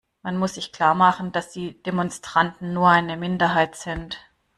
Man muss sich klarmachen, dass die Demonstranten nur eine Minderheit sind.